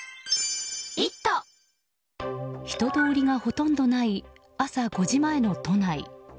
人通りがほとんどない朝５時前の都内。